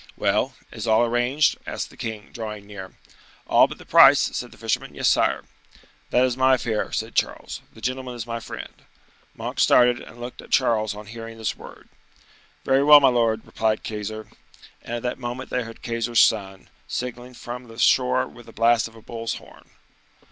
"Well, is all arranged?" asked the king, drawing near. "All but the price," said the fisherman; "yes, sire." "That is my affair," said Charles, "the gentleman is my friend." Monk started and looked at Charles on hearing this word. "Very well, my lord," replied Keyser. And at that moment they heard Keyser's son, signaling form the shore with the blast of a bull's horn.